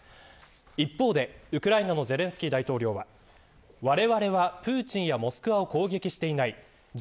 一方で、ウクライナのゼレンスキー大統領はわれわれはプーチンやモスクワを攻撃していない。